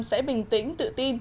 sẽ bình tĩnh tự tin